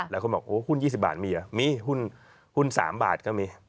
หลายคนบอกโอ้หุ้น๒๐บาทมีเหรอมีหุ้น๓บาทก็มี